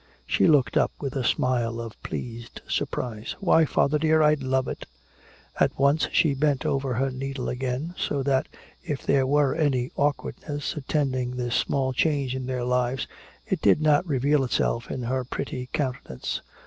She looked up with a smile of pleased surprise. "Why, father dear, I'd love it." At once, she bent over her needle again, so that if there were any awkwardness attending this small change in their lives it did not reveal itself in her pretty countenance.